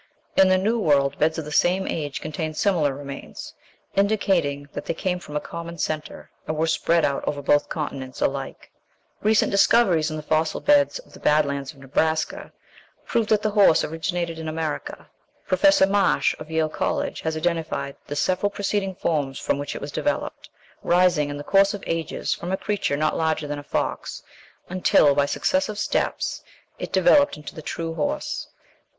In the New World beds of the same age contain similar remains, indicating that they came from a common centre, and were spread out over both continents alike." (Westminster Review, January, 1872, p. 19.) Recent discoveries in the fossil beds of the Bad Lands of Nebraska prove that the horse originated in America. Professor Marsh, of Yale College, has identified the several preceding forms from which it was developed, rising, in the course of ages, from a creature not larger than a fox until, by successive steps, it developed into the true horse.